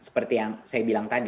seperti yang saya bilang tadi